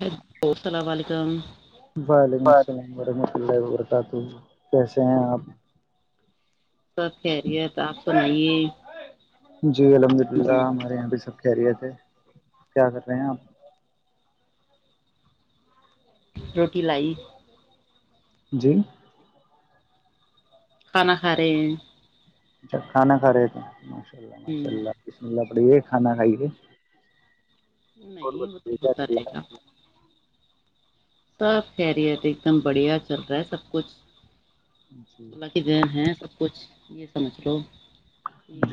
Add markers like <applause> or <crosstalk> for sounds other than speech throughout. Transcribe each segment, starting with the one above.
Hello السلام علیکم <unintelligible> پتا تو کیسے ہیں آپ سب خیری ہے تھا آپ نہیں جی الحمد اللہ ہمارے یہاں پہ سب خیریت ہے کیا کر رہے ہیں آپ روٹی لائی جی کھانا کھا رہے ہیں اچھا کھانا کھا رہے تھ لہ ماشاء ہوں اللہم اللہ <unintelligible> پڑیے کھانا کھائیے اور نہیں وہ تو بتائیے کیا ہوتا چل رہے رہا گا <unintelligible> سب خیریت ایک دم بڑھیا چل رہا ہے سب کچھ ہے اللہ کی ذہن ہے سب کچھ <unintelligible> یہ سمجھ لو <unintelligible> ہ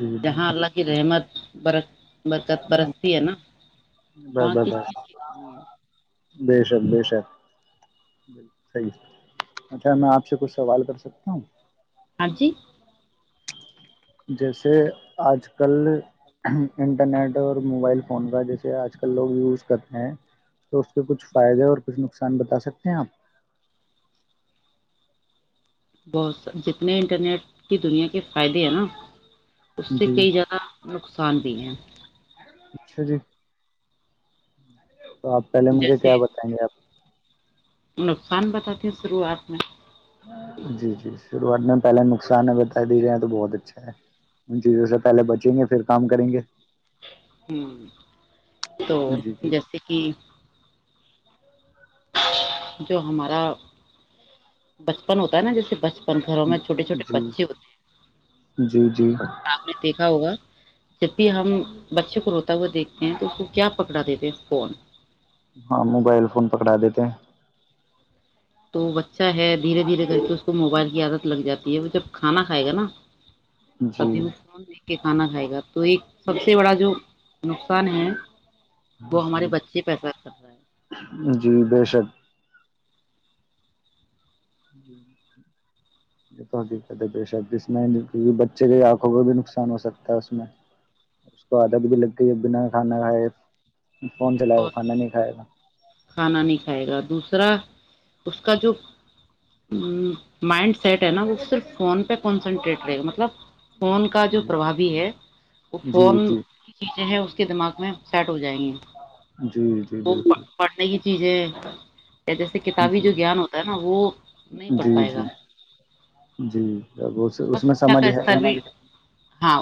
جی جی جی جہاں اللہ کی رحمت برت <unintelligible> برکت برستی ہے نا ب وہاں ب کس ب چیز کی کرنی ہے بے شک بے شک صحیح اچھا میں آپ سے کچھ سوال کر سکتا ہوں ہاں جی جیسے آج کل انٹرنیٹ اور موبائل فون کا جیسے آج کل لوگ یوز کرتے ہیں تو اس پہ کچھ فائدے اور کچھ نہ نقصان بتا سکتے ہیں آپ بہت س جتنے انٹرنیٹ کی دنیا کے فائدے ہیں نا اس سے جی کئی زیادہ نقصان بھی ہیں اچھا جی <unintelligible> تو آپ پہلے مجھے جیسے کیا بتائیں گے آپ نقصان بتاتی ہیں شروعات میں جی جی س گنے پہے نقصان ہے بتا درے تو بہت اچھا ہے ان چیزوں سے پہلے بچیں گے پھر کام کریں گے ہوں تو جی جی جیسے کہ جو ہمارا بچپن ہوتا ہے نا جیسے بچپن اپ گھروں میں چھوٹے چھوٹے جی بچے ہوتے جی جی ہیں آپ نے دیکھا ہوگا جب بھی ہم بچے کو روتا ہوا دیکھتے ہیں تو اس کو کیا پکڑا دیتے ہیں فون ہاں موبائل فون پکڑا دیتے ہیں تو بچہ ہے دھیرے دھیرے کر کے اس کو موبائل کی عادت لگ جاتی ہے وہ جب کھانا کھائے گا نا ہیں جی سبی میں فون دیکھ کے کھانا کھائے گا تو تو ایک سب سے بڑا جو نقصان ہے وہ ہمارے بچے پیسہ کر رہا ہے جی بے شب یہ تو حقیقت ہے بے شک جس میں کیکہ بچے کے آنکھوں کو بھی نقصان ہو سکتا ہے اس میں اس کو عدت بھی لگتی ہے بنا کھانا کھائے فون چلائے گا اور کھانا نہیں کھائے گا کھانا نہیں کھائے گا دوسرا اس کا جو مائنڈ سیٹ ہے نا وہ صرف فون پہ کنسنٹریٹ رہے گا مطلب فون کا جو پربھاوی ہے وہ فون جی جی کی چیزیں ہیں اس کے دماغ میں شارٹ ہو جائیں گے جی جی بالکل نہیںگ چیز جیسے کتابی جو جی گیان ہوتا ہے نا وہ نہیں پڑھ جی پائے جی گا جی اب اس کا میں شکھا سمجھ کا ہے ہی استر بھی ہاں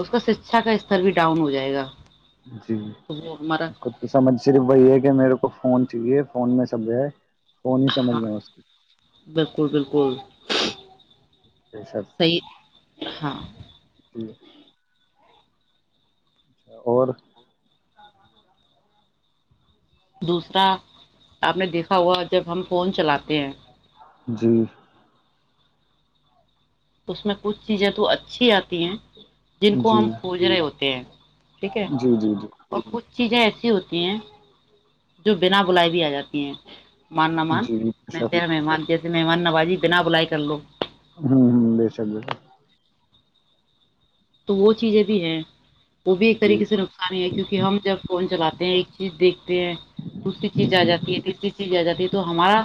اس کا شکھا کا استر بھی ڈاؤن ہو جائے گا جی تو وہ ہمارا اس کو تو سمجھ صرف وہی ہے کہ میرے کو فون چاہیے فون میں سب جو ہے فون ہی سمجھ ہاں میں ہے اس کی بالکل بالکل بے شک صیح ہاں جی اچھا اور دوسرا آپ نے دیکھا ہوا جب ہم فون چلاتے ہیں جی اس میں کچھ چیزیں تو اچھی آتی ہیں جن کو جی ہم پوج رہے ہوتے ہیں ٹھیک ہے جی جی جی اور کچھ چیزیں ایسی ہوتی ہیں جو بنا بلائی بھی آ جاتی ہیں من مان جی بے ن شک میں مد مہمان نوازی بنا بلائی کر لو ہوں ہ بیےسک بسک تو وہ چیزیں بھی ہے وہ بھی شک ایک جی طریقے سے نقصان ہی ہے کیونکہ ہم جب فون چلاتے ہیں ایک چیز دیکھتے ہیں دوسری چیز آ جی جاتی ہے تیسری چیز آ جاتی ہے تو ہمارا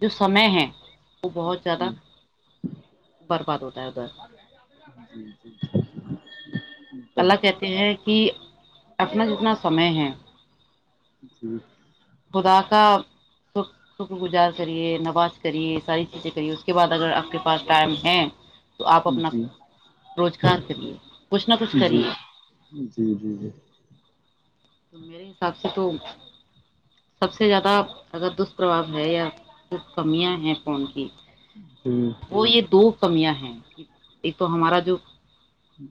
جو سمے ہے وہ بہت زیادہ جی برباد ہوتا ب <unintelligible> بر جی جی تو اللہ ہے کہتے ہیں کہ اپنا جتنا سمے ہے جی خدا کا شکر گزار کرے نواز کریے ساری چیزیں کریے اس کے بعد اگر آپ کے پاس ٹائم ہے تو آپ اپنا جی روزگار کرے جی جی جی جی میرے حساب سے تو سب سے زیادہ اگر دشپرباؤ ہے یا کمیاں ہیں فون کی جی وہ یہ دو کمیاں ہیں ایک تو ہمارا جو ہوں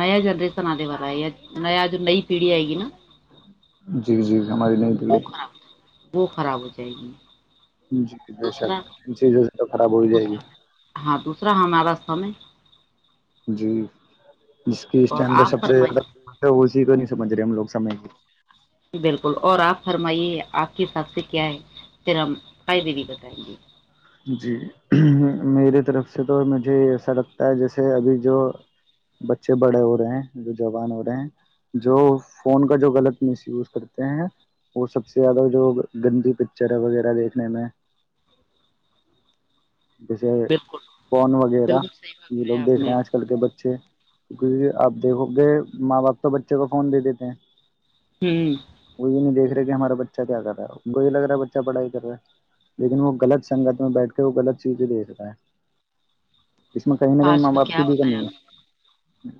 نیا جنریشن آے والا ہے یا نیا جو نئی پیڑھی ہے گ نا جی جی ہماری نہیں دگڑی وہ خراب ہو جائے گی جی بے شک دوسرا ان چیزوں سے تو خراب ہو جائے گی ہاں دوسرا ہمارا راست سہ میں جی جس کی اور اسٹم پہ آپ سب سے فرمائیے زیادہ ہےی کو مندر ہموگ سام گے بالکل اور آپ فرمائیے آپ کے حساب سے کیا ہے تیرا ہم قدی بتائیں گے جی میری طرف سے تو مجھے ایسا لگتا ہے جیسے ابھی جو بچے بڑے ہو رہے ہیں جو جوان ہو رہے ہیں جو فون کا جو غلط مس یوز کرتے ہیں وہ سب سے زیادہ جو گندی پکچر ہے وغیرہ دیکھنے میں جیسے بالکل فون وغیرہ بالکل صحیح یہ لوگ فرمایا آپ دیکھ رہے نے ہیں آج کل کے بچے کیک آپ دیکھو گے ماں باپ تو بچے کو فون دے دیتے ہیں ہوں وہئی نہیں دیکھا کہ ہمارا بچہ کیا کر رہا ہے کو یہ لگ رہا ہے بچہ پڑھائی کر رہا لیکن وہ غط سے سنگت میں بیٹھ کے وہ غلط چیزیں دے ستا ہے اس میں کہیں نہ کہیں آج ماں کا باپ کیا کی بھی بتایا کمی آپ ہے نے؟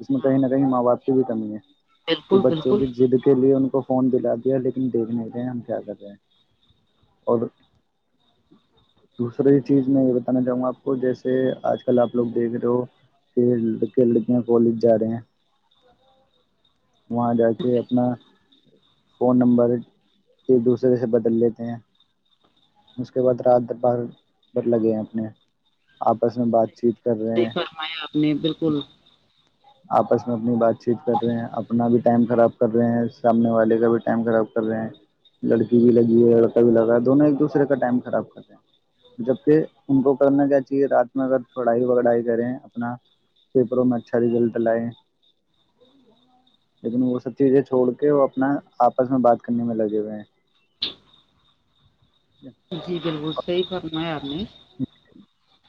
اس میں کہیں ہاں نہ کہیں ماں باپ کی بھی <unintelligible> کہ بالکل بچوں بالکل کی جد کے لیے ان کو کو فون دلا دیا لیکن دیکھنے کے ہم کیا کرتے ہیں اور دوسری چیز میں یہ بتانا چاہوں گا آپ کو جیسے آج کل آپ لوگ دیکھ رہے ہو کہ لک لڑکیاں کالج جا رہے ہیں وہاں جا کے اپنا فون نمبر ایک دوسرے سے بدل لیتے ہیں اس کے بعد رات بر بد لگئے ہیں اپنے آپس میں بات چیت کر رہے صی ہیں فرمایا آپ نے بالکل آپس میں اپنی بات چیت کر رہے ہیں اپنا بھی ٹائم خراب کر رہے ہیں سامنے والے کا بھی ٹائم خراب کر رہے ہیں لڑکی بھی لگی ہے لڑکا بھی لگ رہا ہے دونوں ایک دوسرے کا ٹائم خراب کر رہے ہیں جبک ان کو کرنا کیا چاہیے رات میں اگر پڑھائی وڑائی کریں اپنا پیپروں میں اچھا اچھا رزلٹ لائے لیکن وہ سب چیزیں چھوڑ کے وہ اپنا آپس میں بات کرنے میں لگے ہوئے ہیں جی بالکل صحی کررنا ہے یار جی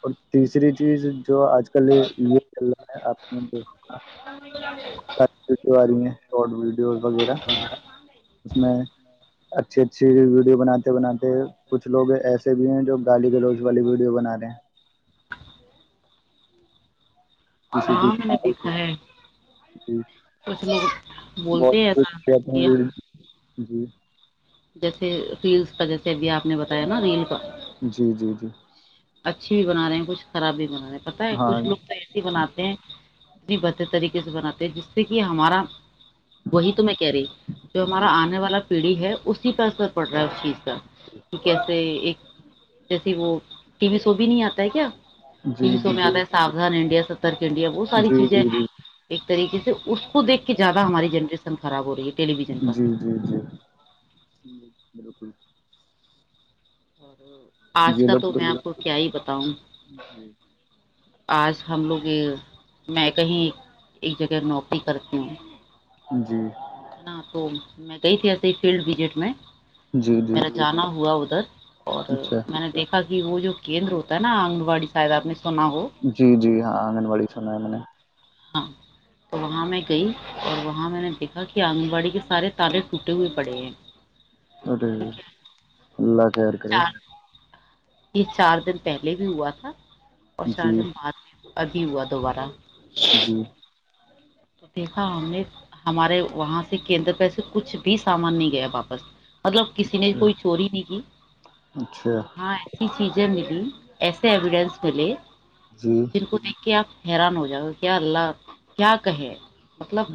اور تیسری چیز جو آج کل یہ چل رہا ہے آپ نے د و رہی ہیں شارٹ ویڈیوز وغیرہ اس میں اچھی اچھی ویڈیو بناتے بناتے کچھ لوگ ایسے بھی ہیں جو گالی گلوچ والی ویڈیو بنا رہے ہیں کسی کی ہاں میں نے دیکھا ہے کچھ لوگ بولتے ہیں بہت ایسا کہ ہم جی جیسے ریلس کا جیسے بھی آپ نے بتایا نا ریل کا جی جی جی اچھی بھی بنا رہے ہیں کچھ خراب بھی بنانا پتا ہے ہاں کچھ لوگ تو ایسے ہی بناتے ہیں نی بہتر طریقے سے بناتے ہیں جس سے کہ ہمارا وہی تو میں کہہ رہی جو ہمارا جی آنے والا پیڑھی ہے اسی پہ اثر پڑ رہا ہے اس چیز کا کہ کیسے ایک جیسی وہ ٹی وی سو بھی نہیں آتا ہے کیا جی تین سو جی میں آتا ہے ساؤدان انڈیا سترک انڈیا بت ساری جی چیزیں جی ہیں جی ایک طریق،،،،،،،،،، ے سے اس کو دیکھ کے زیادہ ہماری جنریشن خراب ہو رہی ہے ٹیلی ویژن کا جی جی جی جی بالکل آج یہ کا لوگ تو میں آپ کو کیا ہی بتاؤں جی آج ہم لوگ یہ میں کہیں ایک جگہ نوکری کرتی ہوں جی ہے نا تو میں گئی تھی ایسے ہی فیلڈ وزٹ میں جی جی میرا جانز، ا ہوا ادھر اور اچھا میں نے دیکھا وہ جو کیندر ہوتا ہے نا آن واڑی شاید آپ نے سنا ہو جی جی ہاں آنگن واڑی چ نہ ہے م ہاں تو وہاں میں گئی اور وہاں میں نے دیکھا کہ آنگن واڑی کے سارے تالے ٹوٹے ہوئے پڑے ہیں اٹے ٹھیک ہے اللہ کیا کر رہے چار یہ چار دن پہلے بھی ہوا تھا اور چار جی دن بعد میں ادھی ہوا دوبارہ جی تو دیکھا ہم نے ہمارے وہاں سے کیندر پس کچھ بھی سام ان نہیں گیا واپس مطلب کسی نے اچھا کوئی چوری نہیں کی اور اچھا وہاں ایسی چیزیں ملی ایسے ایویڈینس ملے جی جن کو دیکھ کے آپ حیران ہو جاؤا کیا اللہ کیا <inaudible> مطلب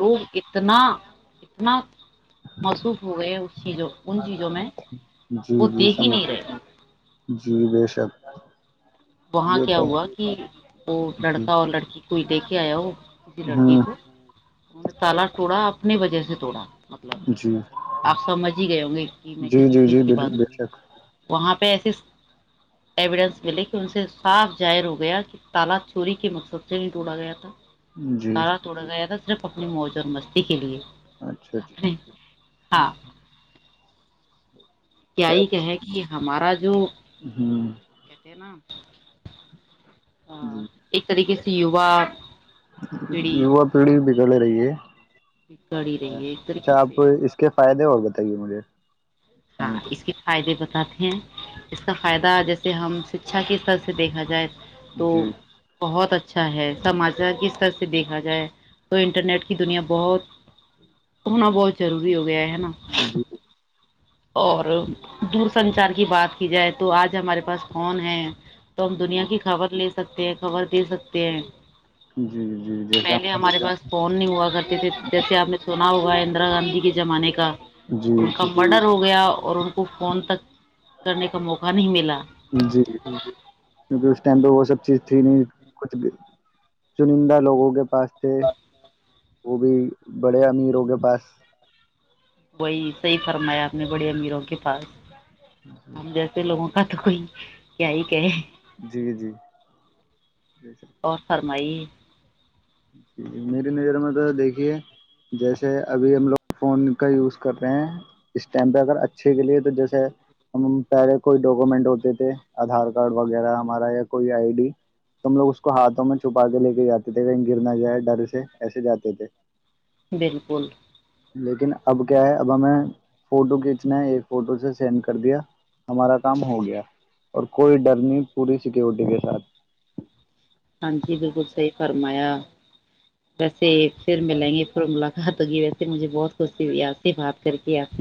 لوگ اتنا اتنا موسوف ہو گئے اس چیزوں ان چیزوں میں جی وہ جی دیکھ ہی سمجھ نہیں رہے جی بے شک وہاں یہ کیا تو ہے ہوا کہ وہ جی لڑکا اور لڑکی کوئی دے کے آیا ہو کسی لڑکی ہوں کو انہوں نے تالا ٹوڑا آپ اپنی وجہ سے توڑا مطلب جی آپ سمجھ ہی گئے ہوں گے کہ میں جی کس جی جی چیز کی بال بات بے رہوں شک گی وہاں پہ ایسے س ایڈنس ملی ان سے صاف ظاہر ہو گیا کہ تال چوری کے مقصد سے ہی توڑا گیا تھا جی تالا توڑ گایا توا صرف اپنی موج اور مستی کے لیے اچھا اچھا اپنے ہاں جی کیا ہی کہ ہے گ ہے ہمارا ہ جو ہوں کتے نام ہاں ایک طریقے سے جیوا یووا پیڑھی بگڑے رہی ہے بگڑی رہی ہے ایک اچھا طریقے آپ سے اس کے فائدے اور بت بتیے مجھے ہاں اس کے فائدے بت ے ہیں اس کا فائدہ جیسے ہم شکچھا کے استر سے دیکھا جائے تو تو جی بہت اچھا اچھا ہے سماچار کس طرح سے دیکھا جائے تو انٹرنیٹ کی دنیا بہت ہونا بہت ضروری ہو گیا ہے ہےا جی اور دور سنچار کی بات کی جائے تو آج ہمارے پاس کون ہے تو ہم دنیا کی خبر لے سکتے ہیں خبر دے سکتے ہیں جی جی جی جیسے آپ پہلے ہمارے پاس فون نہیں ہوا کرتے تھے جیسے آپ نے سو ہوگا اندرا گاندھی کے جمانے کا جی ان کا مرڈر ہو گیا اور ان کو کو فون تک کرنے کا موقع نہیں ملا جی کیونکہ اس ٹائم پہ وہ سب چیز تھی نہیں کچھ بھی چنندہ لوگوں کے پاستے وہ بھی بڑے امیروں کے پاس وہی صحیح فرمایا آپ نے بڑے امیروں کے پاس ہم جیسے لوگوں ک تو کو کیا ہی کیا ہے جی جی اور سر مئی جی میری نظر میں تو دیکھیے جیسے ابھی ہم لوگ فون کا یوز کر رہے ہیں اس ٹم پہ اگر اچھے کے لیے تو جیسے ہم پہلے کوئی ڈاکومینٹ ہوتے تھے آدھار کارڈ وغیرہ ہمارا یا کوئی آئی ڈی تو ہم لوگ اس کو ہاتھوں میں چھپا کے لے کے جاتے تھے کہ گر نہ جائے ڈر سے ایسے جاتے تھے بالکل لیکن اب کیا ہے اب ہمیں فوٹو کھینچنا ایک فوٹو سے سینڈ کر دیا ہمارا کام ہو گیا اور کوئی ڈر نہیں پوری سیکورٹی کے ساتھ ہاں جی بالکل صحیح فرمایا ویسے پھر میں لیں گے پھر ملاقات ہوگی ویسے مجھے بہت خوشئی آیا سے بات کر کےیا سے